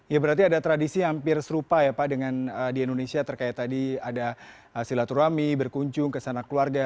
ya berarti ada tradisi hampir serupa ya pak dengan di indonesia terkait tadi ada silaturahmi berkunjung ke sana keluarga